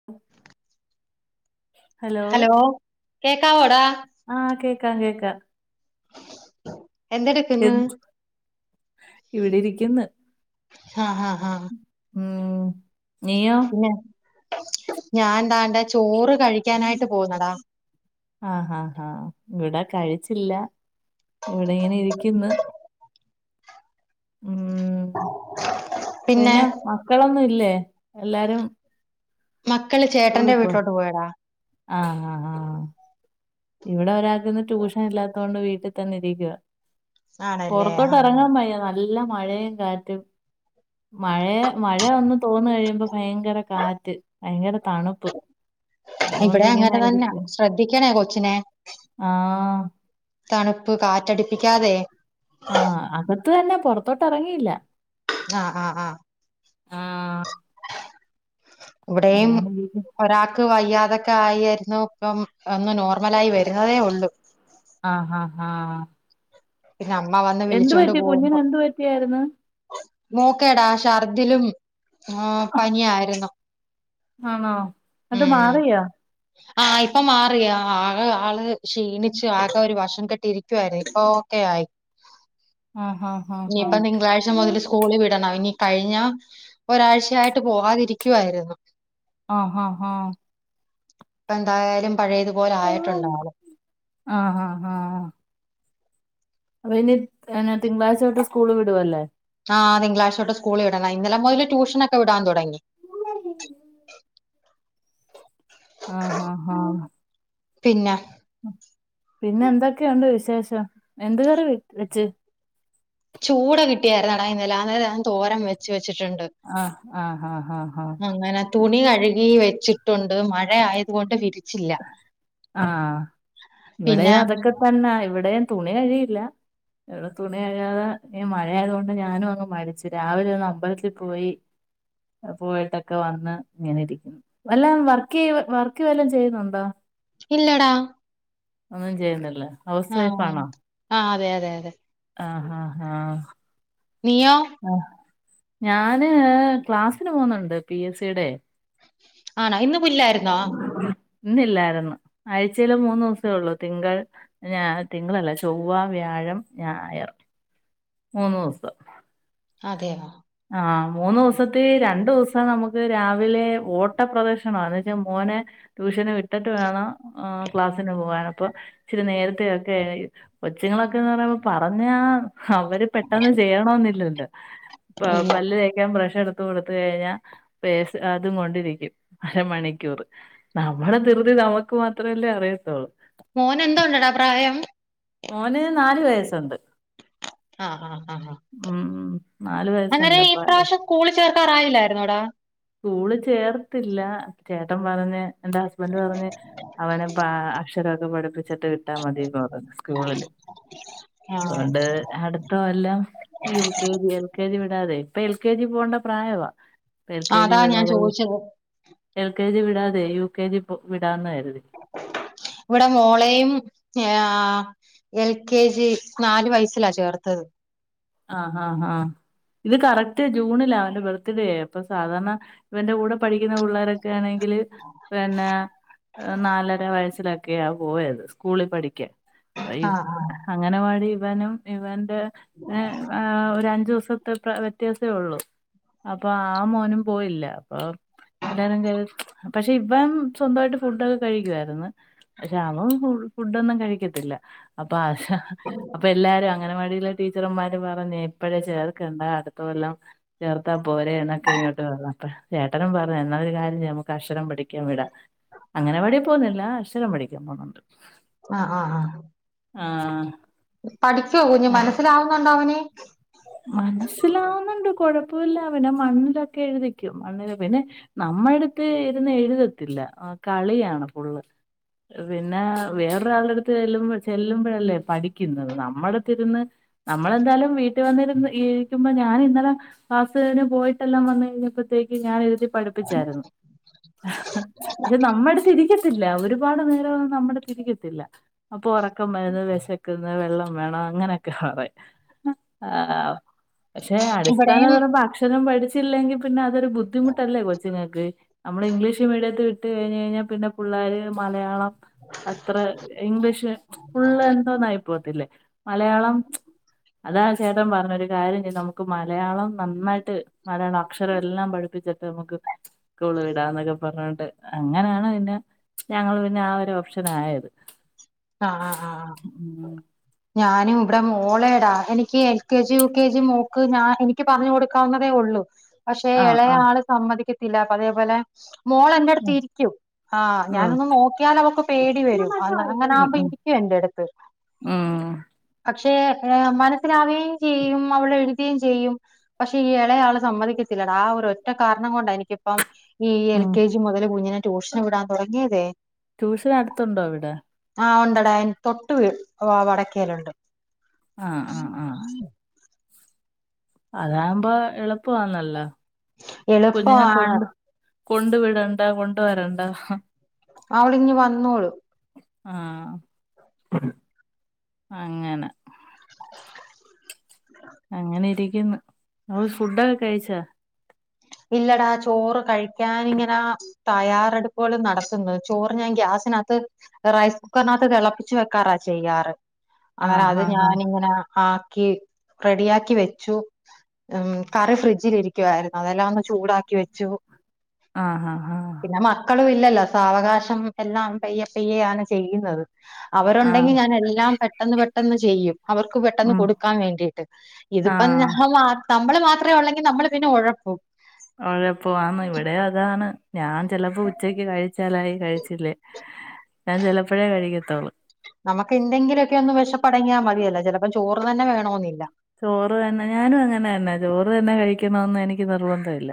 [unintelligible] Hello കേക്കാവോടാ? ആഹ് കേക്കാം കേക്കാം [unintelligible] എന്ത് ഇവിടെ ഇരിക്കുന്നു ഹാ ഹാ ഹാ ഉം നീയോ പിന്നെ ഞാൻ ദാണ്ടെ ചോറ് കഴിക്കാനായിട്ട് പോവുന്നെടാ ആഹ് ഹാ ഹാ ഇവിടാ കഴിച്ചില്ല ഇവിടെ ഇങ്ങനെ ഇരിക്കുന്നു ഉം പിന്നെ മക്കളൊന്നും ഇല്ലേ എല്ലാരും മക്കള് ചേട്ടന്റെ വീട്ടിലോട്ട് പോയെടാ ആഹ് ഹാ ഹാ ഇവിടെ ഒരാക്ക് ഇന്ന് ട്യൂഷൻ ഇല്ലാത്തോണ്ട് വീട്ടിൽ തന്നെ ഇരിക്കുവാ ആണല്ലേ പൊറത്തോട്ട് ആഹ് ഇറങ്ങാൻ വയ്യ നല്ല മഴയും കാറ്റും മഴയ മഴ ഒന്ന് തോന്ന് കഴിയുമ്പോ ഭയങ്കര കാറ്റ് ഭയങ്കര തണുപ്പ് അതുകൊണ്ട് ഇവിടെ ഇങ്ങനെ അങ്ങനെ തെന്നാ ശ്രദ്ധിക്കണേ കൊച്ചിനെ ആഹാ തണുപ്പ് കാറ്റടിപ്പിക്കാതെ ആഹ് അകത്ത് തന്നെ പൊറത്തോട്ട് എറങ്ങിയില്ല ആഹ് ആഹ് ആ് ആഹ് ഇവിടെയും അങ്ങനെരിക്കും ഒരാക്ക് വയ്യാതൊക്കെ ആയിയാർന്നു ഇപ്പം ഒന്ന് നോർമലായി വരുന്നതേ ഉള്ളൂ ആഹ് ആഹാ ഹാ പിന്നെ അമ്മ വന്ന് വിളിച്ചോണ്ട് കുഞ്ഞിന് പോവുമ്പോ എന്ത് പറ്റിയായിരുന്നു മോക്കെടാ ഷർദിലും ആ പനിയായിരുന്നു ആണോ ന്നിട്ട് മാറിയൊ ആഹ ഇപ്പൊ മാറിയ ആകെ ആള് ക്ഷീണിച്ച് ആകെ ഒരു വശം കെട്ടി ഇരിക്കുവായിരുന്നു ഇപ്പൊ ക്കെ ആയി ആഹ് ആഹ് ആഹ് ഇഞ്ഞിപ്പം തിങ്കളാഴ് മുതൽ സ്കൂ ളില് വിടണം ഇനി കഴിഞ്ഞ ഒരാഴ്ചയായിട്ട് പോവാതിരിക്കുവായിരുന്നു ആഹ് ഹാ ഹാ ഇപ്പ എന്തായാലും പഴയതുപോലെ ആയിട്ടുണ്ട് ആള് ആഹ് ആഹ് ആഹ് അപൊ ഇനി എന്നാ തിങ്കളാഴ്ച തൊട്ട് സ്കൂള് വിടുവല്ലേ ആഹ് തിങ്കളാഴ്ച തൊട്ട് സ്കൂളില് വിടണം ഇന്നലെ മുതല് ട്യൂഷനൊക്കെ വിടാൻ തുടങ്ങി ആഹ് ആഹ് ആഹ് പിന്നെ പിന്നെ എന്തൊക്കെയുണ്ട് വിശേഷം എന്ത് കറി വെച്ച് ചൂട കിട്ടിയായിരുന്നുടാ ഇന്നലെ അന്നെരം ഞാൻ തോരം വെച്ച് വെച്ചിട്ടുണ്ട് ആഹ് ആഹ് ആഹ് ആഹ് ആഹ് അങ്ങനെ തുണി കഴുകി വെച്ചു ട്ടുണ്ട് മഴ ആയത് കൊണ്ട് വിരിച്ചില്ല പിന്നെ വെന്നാ ഇവിടെ തുണി കഴികില്ല ഇവിടെ തുണി കഴികാതെ ഇ മഴയായത് കൊണ്ട് ഞാനും അങ്ങ് മടിച്ചു രാവിലെ ഒന്ന് അമ്പലത്തിൽ പോയി പോയിട്ടൊക്കെ വന്ന് ഇങ്ങനെ ഇരിക്കുന്നു വല്ലം വർ ർക്ക് വർക്ക് വല്ലം ചെയ്യുന്നുണ്ടോ ഇല്ലടാ ഒന്നും ചെയ്യുന്നില്ലേ ഹൗസ് വൈഫ് ആഹ് ആണോ ആഹ് അതെ അതെ അതെ ആഹ് ആഹ് ആഹ് നീയോ ആ ഞാന് ക്ലാസ്സിന് പോവുന്നുണ്ട് പി എസ് സിയുടെ ആണാ ഇന്ന് പുല്ലായിരുന്നോ ഇന്നില്ലായിരുന്നു ആഴ്ചയില് മൂന്നിസേ ഉള്ളൂ തിങ്കൾ ഞാ തിങ്കളല്ല ചൊവ്വ വ്യാഴം ഞായർ മൂന്ന് ദിവസം അതെയോ ആഹ് മൂന്നുദിവസത്തി രണ്ടുദിവസം നമുക്ക് രാവിലെ ഓട്ട പ്രധാർശനമാ വെച്ചാ മോനെ ട്യൂഷന് വിട്ടിട്ട് വേണം ക്ലാസ്സിന് പോവാന് അപ്പൊ ഇച്ചിരി നേരത്തെ ഒക്കെ കൊച്ചുങ്ങളൊക്കെന്ന് പറയുമ്പോ പറഞ്ഞാ അവര് പെട്ടെന്ന് ചെയ്യണോന്ന്ല്ലല്ലോ ഇല്ല പല്ല് തേ ക്കാൻ ബ്രഷ് എടുത്ത്കൊടുത്തു കഴിഞ്ഞാ പേസ് അതും കൊണ്ടിരിക്കും അരമണിക്കൂറ് നമ്മള ധൃതി നമുക്ക് മാത്രമെല്ലേ അറിയത്തുള്ളൂ മോന് എന്തോണ്ടെടാ പ്രായം മോന് നാല് വയസ്സുണ്ട് ആ ആ ആ ആ ഉ നാലു അന്നേരം ഈ വയസണ്ട്പ്പ പ്രാവശ്യം സ്കൂളിൽ ചേർക്കാറായില്ലായിരുന്നോടാ സ്ക്കൂളിൽ ചേർത്തില്ല ചേട്ടൻ പറഞ്ഞ് എന്റെ ഹസ്ബന്റ് പറഞ്ഞ് അവനെ പ അക്ഷരമൊക്കെ പഠിപ്പിച്ചിട്ട് വിട്ടാ മതിന്ന് പറഞ്ഞു സ്കൂളില് ആ അതുകൊണ്ട് അടു ട്ടോ എല്ലാം U K L K G വിടാതെ ഇപ്പൊ എൽ കെ ജി പോകേണ്ട പ്രായവാ എ ആ, കെ ജി അതാ ഞാൻ വിടാതെ ചോദിച്ചത് എൽ കെ ജി വിടാതെ യു കെ ജി വിടാന്ന് കരുതി ഇവിടെ മോളയും ഞ എൽ കെ ജി നാലു വയസ്സിലാ ചേർത്തത് ആഹ് ആഹ ആഹ ഇത് കറക്റ്റ് ജൂണില അവന്റെ ബർത്ത്ഡേ അപ്പൊ സാധാരണ ഇവന്റെ കൂടെ പഠിക്കുന്ന പിള്ളേരൊക്കെ ആണെങ്കിൽ പിന്നെ നാലര വയസ്സിലാ ഒക്കെയ പോയത് സ്കൂളിൽ പഠിക്കാ ആ ആ അംഗൻവാടി ഇവനും ഇവന്റെ പിന്നെ ഒരു അഞ്ചു ദിവസം വ്യത്യാസേള്ളൂ അപ്പൊ ആ മോനും പോയില്ല അപ്പൊ എല്ലാരും കേ പക്ഷെ ഇവൻ സ്വന്തമായിട്ട് ഫുഡൊക്കെ കഴിക്കുവരുന്നു പക്ഷ അവൻ ഫുഡൊന്നും കഴിക്കത്തില്ല അപ്പൊ ആ അപ്പൊ എല്ലാരും അംഗനവാടി - ടീച്ചർന്മാര് പറഞ്ഞ ഇപ്പഴേ ചേർക്കണ്ട അടുത്ത കൊല്ലാം ചേർത്താ പോര എന്നൊക്കെ ഇങ്ങോട്ട് പറഞ്ഞ പ്പോൾ ചേട്ടനും പറഞ്ഞു എന്നരു കാര്യംഞമുക്ക് അക്ഷരം പഠിക്കാൻ വിടാം അംഗൻവാടി പോകുന്നില്ല അക്ഷരം പടിക്കാൻ പോന്നുണ്ട് ആഹ ആഹ ആഹ ആഹ പഠിക്കുവോ കുഞ്ഞ് മനസ്സിലാവുന്നുണ്ടോ അവനെ മനസ്സിലാവുന്നുണ്ട് കൊഴപ്പുല്ല പിന്നെ മണ്ണിലൊക്കെ എഴുതിക്കും. മണ്ണില് പിന്നെ നമ്മ എടുത്ത് ഇരുന്ന് എഴുതത്തില്ല കളിയാണ് ഫുള്ള്. പിന്നെ വേറെ ഒരാളട്ത്ത് ചെല്ലുമ്പത് ചെല്ലമ്പൊഴല്ലേ പഠിക്കുന്നത്. നമ്മൾ തിരുന്ന് നമ്മളെന്തായാലും വീട്ട് ട്ടി വന്നിരുന്ന് ഈരിക്കുമ്പോ ഞാൻ ഇന്നലെ ക്ലാസ്സ് കയിഞ്ഞ് പോയിട്ടെല്ലാം വന്ന് കഴിഞ്ഞപ്പത്തേക്ക് ഞാൻ എഴുതി പഠിപ്പിച്ചായിരുന്നു. ഇത് നമ്മടത് ഇരിക്കത്തില്ല. ഒരുപാട് നേരം ഒന്ന് നമ്മുടത് ഇരിക്കത്തില്ല. അപ്പൊ ഒറക്കം വരുന്ന് വിശക്കന്ന് വെള്ളം വേണം അങ്ങനെയൊക്കെ പറയും. ആഹ് പക്ഷെ അടിസ്ഥാന ഇവിടെയും തരം അക്ഷരം പഠിച്ചില്ലെങ്കിൽ പിന്നെ അതൊരു ബുദ്ധിമുട്ടല്ലെ കൊച്ചിങ്ങൾക്ക്. നമ്മള് ഇംഗ്ലീഷ് മീഡിയത്തി വിട്ട് കഴിഞ്ഞ കഴിഞ്ഞാൽ പിന്നെ പുള്ളേര് മലയാളം അത്ര ഇംഗ്ലീഷ് ഫുള്ള് എന്തോന്നായി പോകത്തില്ലേ മലയാളം അതാ ചേട്ടൻ പറഞ് ഒരു കാര്യ ചെയ്. നമുക്ക് മലയാളം നന്നായിട്ട് മലയാള അക്ഷരം എല്ലാം പഠിപ്പിച്ചിട്ട് നമുക്ക് സ്കൂള് വിടാന്നൊക്കെ പറഞ്ഞോണ്ട്. അങ്ങനെയാണ് പിന്നെ ഞങ്ങള് പിന്നെ ആ ഒരു ഓപ്ഷൻ ആയത്. ആഹ് ആഹ് ആഹ് ആഹ് ഉം ഞാനും ഇവിടെ മോളേടാ. എനിക്ക് L K G U K G മോക്ക് ഞാൻ എനിക്ക് പറഞ്ഞു കൊട് ക്കാവുന്നതേ ഉള്ളൂ പക്ഷെ ആഹ് ആഹ് എളയാള് സമ്മതിക്കത്തില്ല. അതേപോലെ മോളെന്റെ അടുത്ത് ഉം ഇരിക്കും. ആഹ് ഉം ഞാനൊന്ന് നോക്കിയാൽ അവക്ക് പേടി വരുംആന്ന് ഉം അങ്ങനാകുമ്പോ ഉം ഇരിക്കു എന്റെ അടുത്ത്. ഉം പക്ഷെ മനസ്സിലാവുകയും ചെയ്യും അവള് എഴുതെ ചെയ്യും. പക്ഷെ ഈ എളയാള് സമ്മതിക്കത്തില്ലട. ആ ഒരു ഒറ്റ കാരണം കൊണ്ട എനിക്കിപ്പം ഈ എൽ ഉം കെ ജി ജി മുതൽ കുഞ്ഞിനെ ടൂഷന് വിടാ തുടങ്ങിയതേ. ട്യൂഷൻ അടുത്തുണ്ടോ ഇവിടെ? ആഹ് ഉണ്ടടെ. തൊട്ട് വീ വടക്കെലുണ്ട്. ആഹ് ആഹ് ആഹ് അതാവ്മ്പോ എളുപ്പമാന്നല്ലോ. കുഞ്ഞിനെ എളുപ്പമാണ് കൊണ്ട് കൊണ്ട് വിടണ്ട കൊണ്ട് വരണ്ട. ഹ അവള് ഇങ്ങ് വന്നോളും. ആഹ് അങ്ങനെ അങ്ങനെ ഇരിക്കുന്ന്. അവൾ ഫുഡൊക്കെ കഴിച്ചാ? ഇല്ലടാ ചോറ് കഴിക്കാൻ ഇങ്ങന തയ്യാറെടുപ്പുകൾ നടത്തുന്നത്. ചോറ് ഞാൻ ഗ്യാസിനകത്ത് റൈസ് കുക്കറിനകത്ത് തിളപ്പിച്ചു വെക്കാറാ ചെയ്യാറ്. ആ അങ്ങനെ അത് ഹാ ഹാ ഞാാനിങ്ങനെ ആക്കി റെഡിയാക്കി വെച്ചു. ഉം കറി ഫ്രിഡ്ജിലി രിക്കുവായിരുന്നു അത് എല്ലാന്ന് ചൂടാക്കി വെച്ചു. ആഹ് ഹ ആഹ് പിന്നെ മക്കളും ഇല്ലല്ലോ സാവകാശം എല്ലാം പെയ്യ പെയ്യയാണ് ചെയ്യുന്നത്. ആ അവരുണ്ടെങ്കി ഞാൻ എല്ലാം പെട്ടെന്ന് പെട്ടെന്ന് ചെയ്യും. അവർക്ക് പെട്ടെന്ന് ഉം കൊടുക്കാൻ വേണ്ടിട്ട്. ആ ഇതിപ്പം ഞാമാ നമ്മള് മാത്രേ ഉള്ളെങ്കി നമ്മൾ പിന്നെ ഒഴപ്പും. ഒഴപ്പുവാന്ന് ഇവിടെ അതാണ് ഞാൻ ചിലപ്പോ ഉച്ചക്ക് കഴിച്ചാലായി കഴിച്ചില്ലേ ഞാൻ ചിലപ്പഴേ കഴിക്കത്തൊള്ളൂ. നമക്ക് എന്തെങ്കിലൊക്കെയൊന്ന് വിഷപ്പടങ്ങിയാൽ മതിയല്ലോ. ചെലപ്പം ചോറ് തന്നെ വേണോന്നില്ല. ചോറ് തന്നെ ഞാനും അങ്ങനെന്നെ. ചോറ് തന്നെ കഴിക്കണൊന്നും എനിക്ക് നിർബന്ധയില്ല.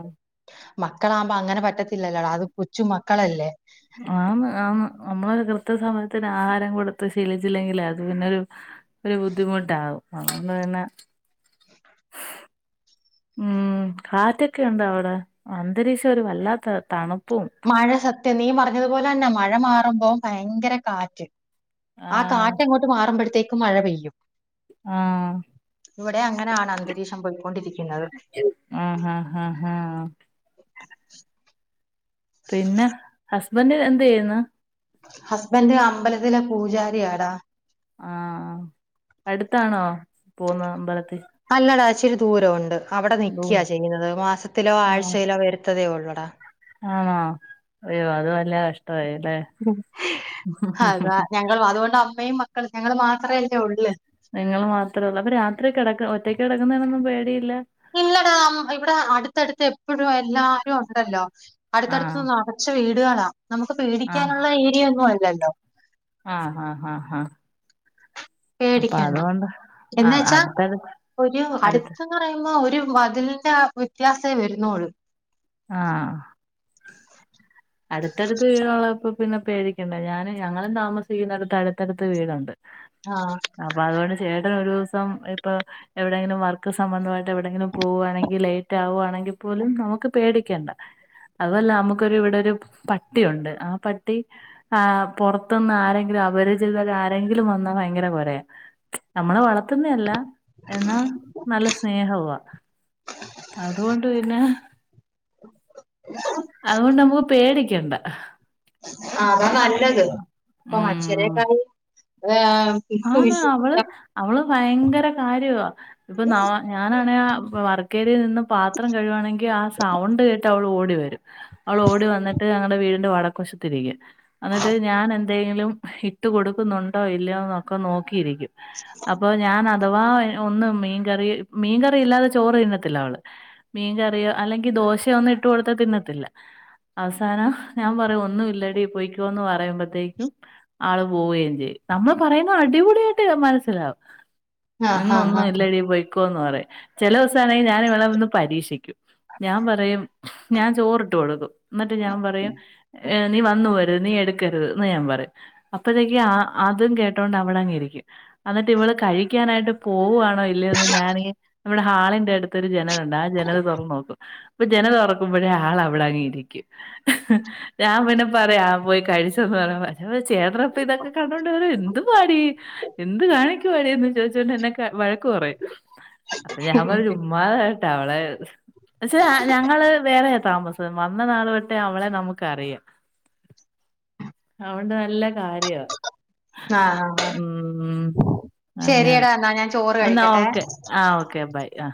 ആ മക്കളാകുമ്പോ അങ്ങനെ പറ്റത്തില്ലല്ലോടാ. അത് പുച്ചു മക്കളല്ലേ. ആന്ന് ആന്ന് നമ്മളൊരു കൃത്യ സമയത്തിന് ആഹാരം കൊടുത്ത് ശീലിച്ചില്ലെങ്കിലേ അത് പിന്നൊരു ഒരു ബുദ്ധിമുട്ടാകും. അതോണ്ട് പിന്നെ ഉം കാറ്റൊക്കെ ഉണ്ടോ അവിടെ? അന്തരീക്ഷം ഒരു വല്ലാത്ത തണുപ്പും. മഴ സത്യം നീ മറഞ്ഞതുപോലെന്നെ മഴ മാറുമ്പോം ഭയങ്കര കാറ്റ് ആ ആഹ് കാറ്റങ്ങോട്ട് മാറുമ്പോഴത്തേക്കും മഴ പെയ്യും ആഹ് ഇവിടെ അങ്ങനാണ് അന്തരീക്ഷം പോയിക്കൊണ്ടിരിക്കുന്നത് ആ ഹ ഹ ഹ ക് പിന്നെ ഹസ്ബന്റ് എന്തെയ്യുന്ന് ഹസ്ബൻഡ് അമ്പലത്തിലെ പൂജാരിയാടാ ആഹ് അടുത്താണോ പോവുന്ന അമ്പലത്തി അല്ലടാ ഇച്ചിരി ദൂരം ഉണ്ട് അവിടെ ദൂ നിക്ക്യ ചെയ്യുന്നത് മാസത്തിലോ ആഹ് ആഴ്ചയിലോ വരുത്തതെ ഉള്ളൂടാ ആണോ അയ്യോ അത് വല്ല കഷ്ട്ടായില്ലേ അത ഞങ്ങൾ അതുകൊണ്ട് അമ്മയും മക്കള ഞങ്ങള് മാത്രല്ലേ ഉള്ളു നിങ്ങള് മാത്രള്ളൂ അപ്പൊ രാത്രികെടക്ക ഒറ്റക്കിടക്കുന്നതിനൊന്നും പേടിയില്ല ഇല്ലടാ ഇവിടെ അടുത്തടുത്ത് എപ്പോഴും എല്ലാരും ഉണ്ടല്ലോ ആഹ് അടുത്തടുതൊന്നും ആ [unintelligible] നമുക്ക് ആഹ് പേടിക്കാനുള്ള ഏരിയൊന്നും അല്ലല്ലോ ആഹ് ആഹ് ആഹ് ഹ പേടിക്കണ്ട എന്ന് ആഹ് വെച്ചാ അടുത്തടു ഒരു അടുത്ത് അടുത്ത പറയുമ്പോ ഒരു മതിലിന്റെ ആ വ്യത്യാസെ വരുന്നോള്ളു ആഹ് അടുത്തടുത്ത് വീടുള്ളപ്പോ പിന്നെ പേടിക്കണ്ട ഞാൻ ഞങ്ങളും താമസിക്കുന്നടുത്ത് അടുത്തടുത്ത് വീടൊണ്ട് ആഹ! അപ്പൊ അതുകൊണ്ട് ചേട്ടൻ ഒരൂസം ഇപ്പൊ എവിടെയെങ്കിലും വർക്ക് സംബന്ധമായിട്ട് എവിടെയെങ്കിലും പോവുവാണെങ്കിൽ ലേറ്റ് ആകുവാണെങ്കിൽ പോലും നമുക്ക് പേടിക്കേണ്ട അതൊല്ല നമുക്കൊരു ഇവിടെ ഒരു പട്ടിയുണ്ട് ആ പട്ടി ആ പൊറുത്തന്ന് ആരെങ്കിലും അപരിചിതര് ആരെങ്കിലും വന്നാ ഭയങ്കര കുരെ നമ്മളെ വളർത്തുന്നെ അല്ല എന്ന നല്ല സ്നേഹവാ അതുകൊണ്ട് പിന്നെ അതുകൊണ്ട് നമ്മക് പ് പേടിക്കണ്ട അതാ നല്ലത്! ! ഇപ്പൊ മനുഷ്യരെക്കായി- ആന്ന്‌ അവള് അവള് ഭയങ്കര കാര്യാ ഇപ്പൊ ന- ഞാനാണെ ആ വർക്കേരിയിൽ നിന്ന് പാത്രം കഴിയുവാണെങ്കിൽ ആ സൗണ്ട് കേട്ട് അവൾ ഓടി വരും. അവൾ ഓടി വന്നിട്ട് ഞങ്ങടെ വീടിന്റെ വടക്ക വശത്തിരിക്കും എന്നിട്ട് ഞാൻ എൻ - എന്തെങ്കിലും ഇട്ട് കൊടുക്കുന്നുണ്ടോ ഇല്ലയോ എന്നൊക്കെ നോക്കിയിരിക്കും. അപ്പൊ ഞാൻ അഥവാ ഒന്നും മീൻകറി മീൻകറി ഇല്ലാതെ ചോറ് തിന്നത്തില്ല അവള്- മീൻകറിയോ അല്ലെങ്കിൽ ദോശയോ ഒന്നും ഇട്ട് കൊടുത്ത തിന്നത്തില്ല അവസാനം ഞാൻ പറയും ഒന്നും ഇല്ലടി പോയ്ക്കോന്ന് പറയുമ്പോ- ത്തേക്കും ആള് പോവുകയും ചെയ്യും നമ്മള് പറയുന്ന അടിപൊളിയായിട്ട് മനസ്സിലാവും. ആ ഇന്ന ആ ഒന്നും ഇല്ലടി പോയ്ക്കോന്ന് പറയും. ചില ദിവസണെ ഞാൻ ഇവളെ ഒന്ന് പരീക്ഷിക്കും. ഞാൻ പറയും ഞാൻ ചോറിട്ട് കൊടുക്കും. എന്നിട്ട് ഞാൻ പറയും നീ വന്നുപോവരുത് നീ എടു- ക്കരുത് എന്ന് ഞാൻ പറയും അപ്പഴത്തേക്ക് അതും കേ- ട്ടോണ്ട് അവിടെങ്ങിരിക്കും എന്നിട്ട് ഇവള് കഴിക്കാനായിട്ട് പോവുവാണോ ഇല്ലയോന്ന് ഞാനീ - നമ്മുടെ ഹാളിന്റെ അടുത്തൊരു ജനലുണ്ട് ആ ജനൽ തുറന്ന് നോക്കും. ഇപ്പൊ ജനല് തുറക്കുമ്പോഴേ ആൾ അവിടങ്ങിരിക്കും. ഞാൻ പിന്നെ പറയാ പോയി കഴിച്ചോന്ന് പറയുമ്പം പക്ഷേ ചേട്ടപ്പ ഇതൊക്കെ കണ്ടോണ്ടണ്ട് വരും എന്തുവാടി എന്ത് കാണിക്കുവാടിന്ന് ചോദിച്ചോണ്ട് എന്നെ വഴക്ക് പറയും ഞാൻ പറയും ചുമ്മാഎട്ടാ അവളെ ഞങ്ങള് വേറെ താമസം വന്ന നാള് തൊട്ടെ അവളെ നമുക്കറിയാം. അവണ്ട് നല്ല കാര്യവാ ആഹ! ഉ അങ്ങനെ എന്നാ ഞാൻ ചോറ് എന്നാ കഴിക്കട്ടെ ഓക്കെ! ആ.. ഓക്കെ ബൈ. ആ.